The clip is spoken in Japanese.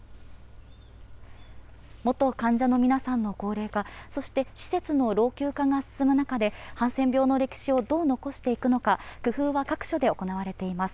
元患者の皆さんの高齢化、そして施設の老朽化が進む中で、ハンセン病の歴史をどう残していくのか、工夫が各所で行われています。